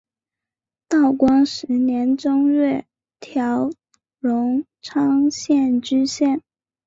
道光十年正月调荣昌县知县。